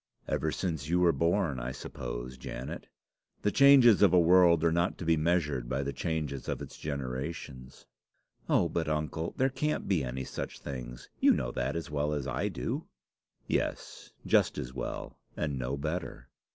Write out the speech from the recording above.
"Ever since you were born, I suppose, Janet. The changes of a world are not to be measured by the changes of its generations." "Oh, but, uncle, there can't be any such things. You know that as well as I do." "Yes, just as well, and no better."